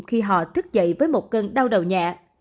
khi họ thức dậy với một cơn đau đầu nhẹ